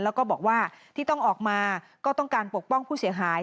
แล้วก็บอกว่าที่ต้องออกมาก็ต้องการปกป้องผู้เสียหาย